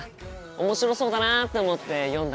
面白そうだなって思って読んだ